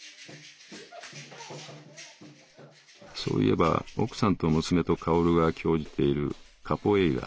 「そういえば奥さんと娘と薫が興じているカポエイラ。